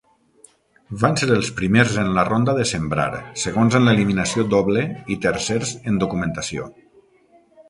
Van ser els primers en la ronda de sembrar, segons en l'eliminació doble i tercers en documentació.